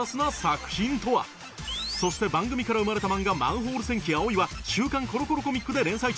そして番組から生まれた漫画『マンホール戦記アオイ』は『週刊コロコロコミック』で連載中。